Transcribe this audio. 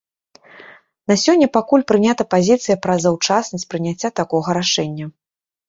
На сёння пакуль прынята пазіцыя пра заўчаснасць прыняцця такога рашэння.